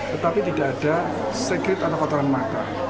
tetapi tidak ada segret atau kotoran mata